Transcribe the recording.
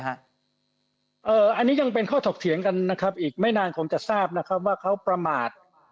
อันนี้ยังเป็นข้อถกเถียงกันนะครับอีกไม่นานคงจะทราบนะครับว่าเขาประมาท